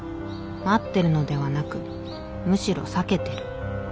待ってるのではなくむしろ避けてる」